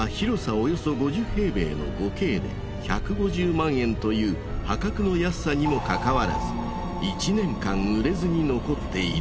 およそ５０平米の５Ｋで１５０万円という破格の安さにもかかわらず１年間売れずに残っている。